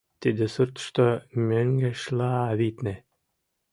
Тиде суртышто мӧҥгешла, витне.